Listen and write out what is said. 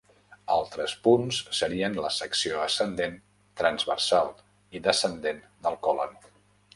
Altres punts serien la secció ascendent, transversal i descendent del colon.